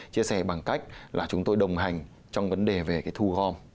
chia sẻ bằng cách là chúng tôi đồng hành trong vấn đề về cái thu gom